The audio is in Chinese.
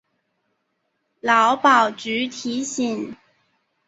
劳保局提醒